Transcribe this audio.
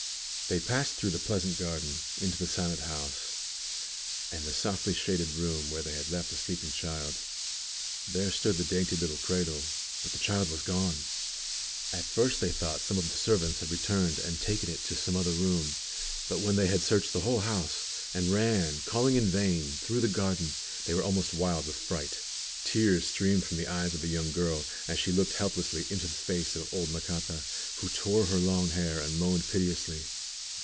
They passed through the pleasant garden into the silent house, and the softly shaded room where they had left the sleeping child. There stood the dainty little cradle, but the child was gone! At first they thought some of the servants had returned and taken it to some other room; but when they had searched the whole house, and ran, calling in vain, through the garden, they were almost wild with fright. Tears streamed from the eyes of the young girl as she looked helplessly into the face of old Macata, who tore her long hair, and moaned piteously.